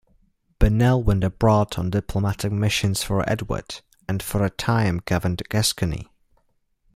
Burnell went abroad on diplomatic missions for Edward, and for a time governed Gascony.